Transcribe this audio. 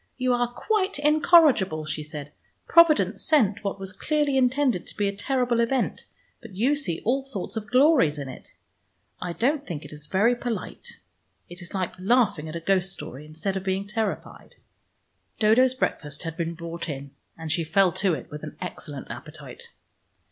"You are quite incorrigible," she said. "Providence sent what was clearly intended to be a terrible event, but you see all sorts of glories in it. I don't thing it is very polite. It is like laughing at a ghost story instead of being terrified." Dodo's breakfast had been brought in, and she fell to it with an excellent appetite.